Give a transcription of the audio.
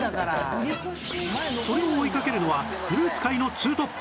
それを追いかけるのはフルーツ界のツートップ